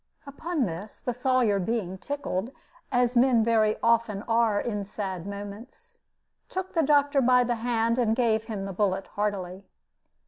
Upon this, the Sawyer being tickled, as men very often are in sad moments, took the doctor by the hand, and gave him the bullet heartily.